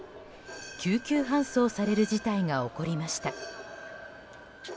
救急搬送される事態が起こりました。